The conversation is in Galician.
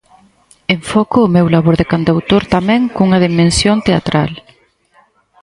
Enfoco o meu labor de cantautor tamén cunha dimensión teatral.